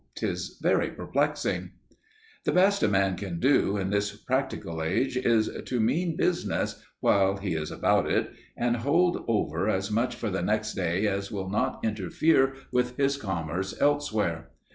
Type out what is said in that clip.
'Tis very perplexing! The best a man can do, in this practical age, is to mean business, while he is about it, and hold over as much for the next day as will not interfere with his commerce elsewhere.